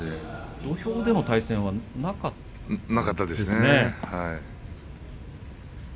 土俵の対戦はなかったんですね。